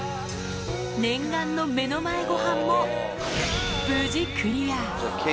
念願の目の前ごはんも、無事クリア。